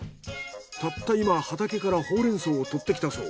たった今畑からホウレンソウを採ってきたそう。